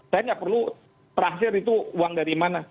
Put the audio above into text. saya nggak perlu terakhir itu uang dari mana